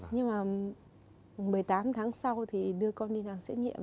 nhưng mà một mươi tám tháng sau thì đưa con đi làm xét nghiệm